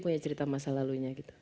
punya cerita masa lalu